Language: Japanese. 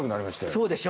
そうでしょ。